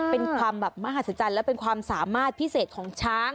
เป็นความแบบมหัศจรรย์และเป็นความสามารถพิเศษของช้าง